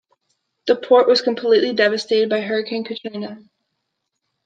The port was completely devastated by Hurricane Katrina.